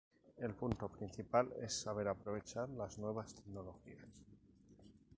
El punto principal es saber aprovechar las nuevas tecnologías.